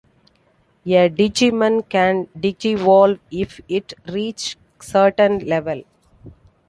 A digimon can digivolve if it reach certain level.